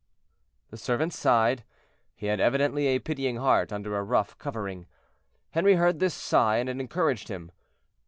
The servant sighed. He had evidently a pitying heart under a rough covering. Henry heard this sigh, and it encouraged him.